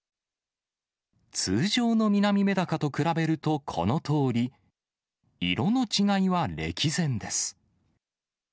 通常のミナミメダカと比べるとこのとおり、色の違いは歴然です。